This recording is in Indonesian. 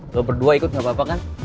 kalau berdua ikut gak apa apa kan